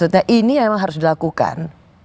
nah ini memang harus dilakukan